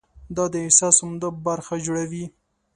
دا د احساس عمده برخه جوړوي.